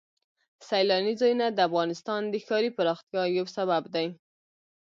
سیلاني ځایونه د افغانستان د ښاري پراختیا یو سبب دی.